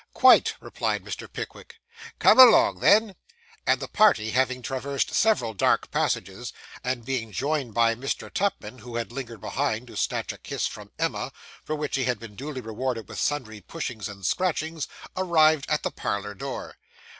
'Quite,' replied Mr. Pickwick. 'Come along, then;' and the party having traversed several dark passages, and being joined by Mr. Tupman, who had lingered behind to snatch a kiss from Emma, for which he had been duly rewarded with sundry pushings and scratchings, arrived at the parlour door.